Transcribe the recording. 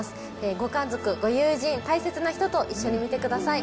ご家族、ご友人、大切な人と一緒に見てください。